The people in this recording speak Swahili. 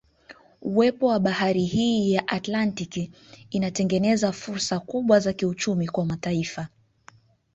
Uwepo wa bahari hii ya Atlantiki inatengeneza fursa kubwa za kiuchumi kwa mataifa